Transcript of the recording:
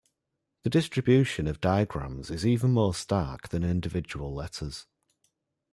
The distribution of digrams is even more stark than individual letters.